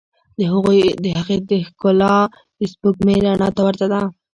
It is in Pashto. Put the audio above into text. د هغې ښکلا د سپوږمۍ رڼا ته ورته ده.